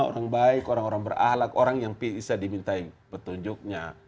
orang baik orang orang berahlak orang yang bisa dimintai petunjuknya